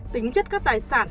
tính chất các tài sản